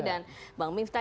dan bang miftar